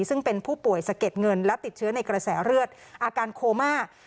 ซึ่งเป็นผู้ป่วยสะเก็ดเงินและติดเชื้อในกระแสเลือดอาการโคม่า